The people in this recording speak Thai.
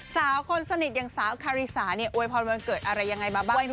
สาวคนสนิทอย่างสาวคาริสาเนี่ยอวยพรวันเกิดอะไรยังไงมาบ้าง